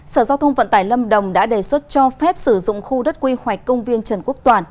sở giao thông vận tải lâm đồng đã đề xuất cho phép sử dụng khu đất quy hoạch công viên trần quốc toàn